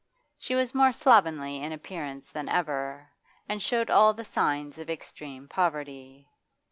She was more slovenly in appearance than ever, and showed all the signs of extreme poverty.